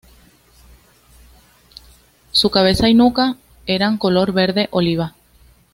Su cabeza y nuca eran color verde oliva.